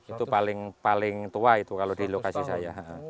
itu paling tua itu kalau di lokasi saya